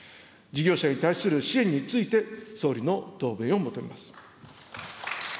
事業者に対する支援について、総理の答弁を求めます。